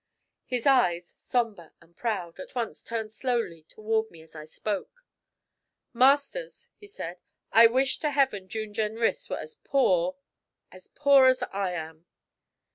His eyes, sombre and proud, at once turned slowly toward me as I spoke. 'Masters,' he said, 'I wish to heaven June Jenrys were as poor as poor as I am!'